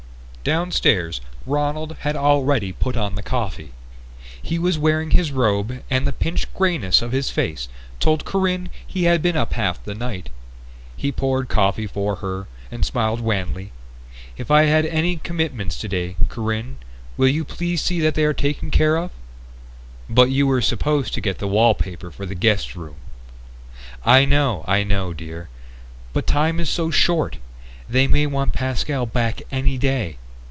Downstairs Ronald had already put on the coffee. He was wearing his robe and the pinched greyness of his face told Corinne he had been up half the night. He poured coffee for her, smiling wanly. "If I have any commitments today, Corinne, will you please see that they are taken care of?" "But you were supposed to get the wallpaper for the guest room...." "I know, I know, dear. But time is so short. They might want Pascal back any day.